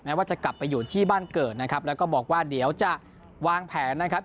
ว่าจะกลับไปอยู่ที่บ้านเกิดนะครับแล้วก็บอกว่าเดี๋ยวจะวางแผนนะครับ